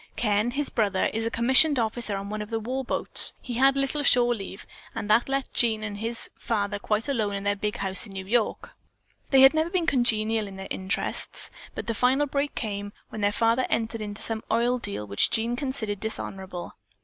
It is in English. "Ken, his brother, is a commissioned officer on one of the war boats. He had little shore leave and that left Jean and his father quite alone in their big house in New York. They never had been congenial in their interests, but the final break came when the father entered into some oil deal which Jean considered dishonorable.